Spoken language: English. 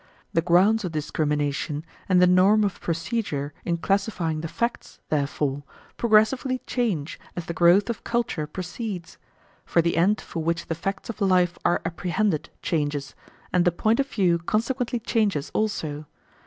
The grounds of discrimination, and the norm of procedure in classifying the facts, therefore, progressively change as the growth of culture proceeds; for the end for which the facts of life are apprehended changes, and the point of view consequently changes also.